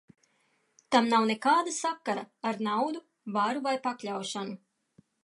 Tam nav nekāda sakara ar naudu, varu vai pakļaušanu.